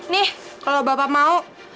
nih kalau bapak mau